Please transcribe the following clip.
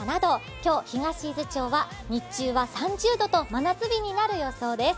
今日、東伊豆町は日中は３０度と真夏日になる予報です。